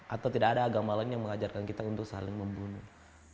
atau tidak ada agama lain yang mengajarkan kita untuk saling membunuh